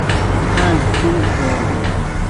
آݩزی چِھݩگ تھون